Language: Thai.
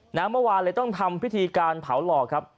เมื่อวานเลยต้องทำพิธีการเผาหลอกครับ